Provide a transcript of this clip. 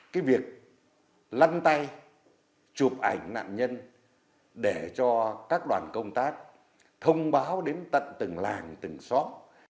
cái việc lăn tay chụp ảnh nạn nhân để cho các đoàn công tác thông báo đến tận từng làng từng xóm